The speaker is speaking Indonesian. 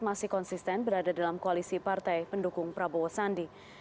masih konsisten berada dalam koalisi partai pendukung prabowo sandi